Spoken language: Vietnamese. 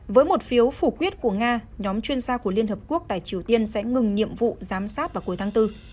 với một phiếu phủ quyết của nga nhóm chuyên gia của liên hợp quốc tại triều tiên sẽ ngừng nhiệm vụ giám sát vào cuối tháng bốn